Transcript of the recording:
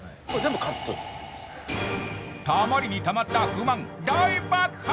たまりにたまった不満大爆発